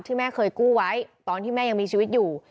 แม่เคยกู้ไว้ตอนที่แม่ยังมีชีวิตอยู่